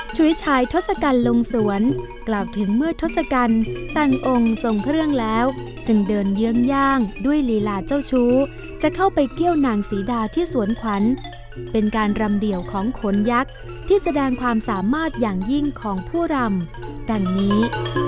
ฉุยชายทศกัณฐ์ลงสวนกล่าวถึงเมื่อทศกัณฐ์แต่งองค์ทรงเครื่องแล้วจึงเดินเยื้องย่างด้วยลีลาเจ้าชู้จะเข้าไปเกี้ยวนางศรีดาที่สวนขวัญเป็นการรำเดี่ยวของขนยักษ์ที่แสดงความสามารถอย่างยิ่งของผู้รำดังนี้